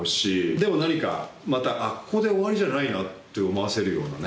でも何かまたここで終わりじゃないなと思わせるようなね